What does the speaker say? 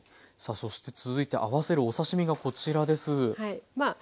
さあそして続いて合わせるお刺身がこちらです。